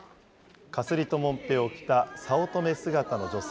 かすりともんぺを着た早乙女姿の女性